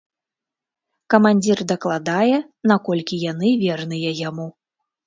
Камандзір дакладае, наколькі яны верныя яму.